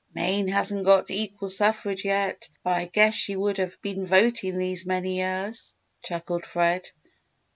"Maine hasn't got equal suffrage yet, or I guess she would have been voting these many years," chuckled Fred.